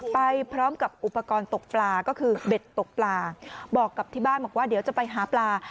ไปพร้อมกับอุปกรณ์ตกปลาก็คือเบ็ดตกปลาบอกกับที่บ้านบอกว่าเดี๋ยวจะไปหาปลา